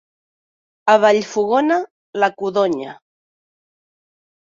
A Vallfogona, la codonya.